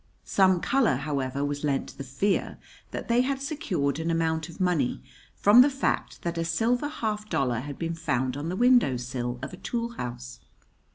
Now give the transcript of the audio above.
Some color, however, was lent to the fear that they had secured an amount of money, from the fact that a silver half dollar had been found on the window sill of a tool house.